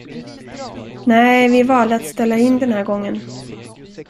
Nä, vi valde att ställa in den här gången.